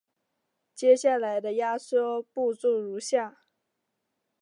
接下来的压缩步骤如下。